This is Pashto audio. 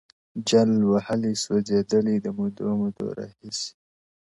جل وهلی سوځېدلی د مودو مودو راهیسي ,